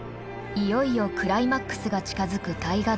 いよいよクライマックスが近づく大河ドラマ